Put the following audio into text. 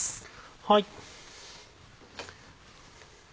はい。